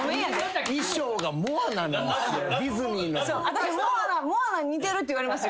私モアナに似てるって言われます